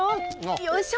よいしょ。